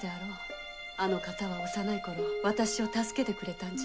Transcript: あの方は幼い頃私を助けてくれたんじゃ。